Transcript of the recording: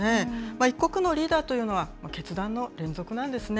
一国のリーダーというのは決断の連続なんですね。